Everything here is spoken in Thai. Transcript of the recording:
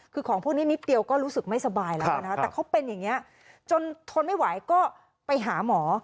คือของพวกนี้นิดเดียวก็รู้สึกไม่สบายแล้วนะคะแต่เขาเป็นอย่างนี้จนทนไม่ไหวก็ไปหาหมอ